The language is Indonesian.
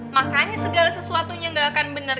makanya segala sesuatunya gak akan benar